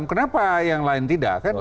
kenapa yang lain tidak